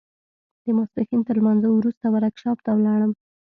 د ماسپښين تر لمانځه وروسته ورکشاپ ته ولاړم.